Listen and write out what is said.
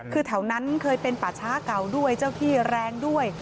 คือแถวนั้นเคยเป็นป่าช้าเก่าด้วยเจ้าที่แรงด้วย